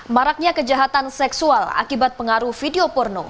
maraknya kejahatan seksual akibat pengaruh video porno